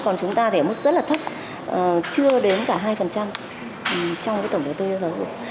còn chúng ta thì ở mức rất là thấp chưa đến cả hai trong tổng đầu tư cho giáo dục